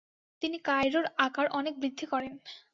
তিনি কায়রোর আকার অনেক বৃদ্ধি করেন।